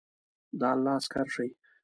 د الله عسکر شئ!